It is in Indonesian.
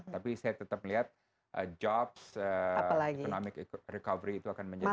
tapi saya tetap melihat jobs economic recovery itu akan menjadi